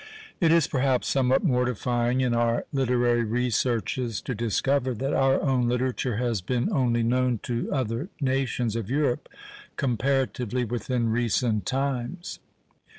It is, perhaps, somewhat mortifying in our literary researches to discover that our own literature has been only known to the other nations of Europe comparatively within recent times.